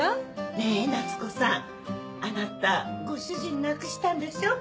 ねえ夏子さんあなたご主人亡くしたんでしょ？